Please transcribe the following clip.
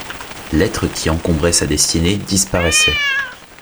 L’être qui encombrait sa destinée disparaissait.